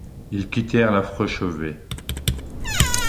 Ils quittèrent l'affreux, chevet